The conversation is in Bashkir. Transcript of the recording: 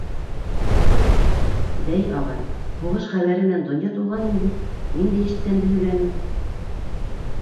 — Бәй, ағай, һуғыш хәбәре менән донъя тулған инде, мин дә ишеткәнде һөйләнем.